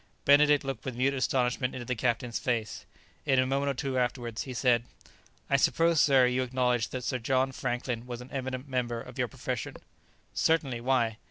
Benedict looked with mute astonishment into the captain's face. In a moment or two afterwards, he said, "I suppose, sir, you acknowledge that Sir John Franklin was an eminent member of your profession?" "Certainly; why?"